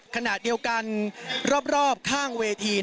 ขณะเดียวกันรอบข้างเวที